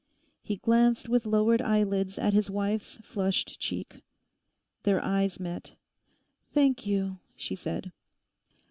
He glanced with lowered eyelids at his wife's flushed cheek. Their eyes met. 'Thank you,' she said.